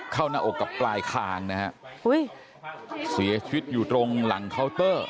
เข้าหน้าอกกับปลายคางนะฮะอุ้ยเสียชีวิตอยู่ตรงหลังเคาน์เตอร์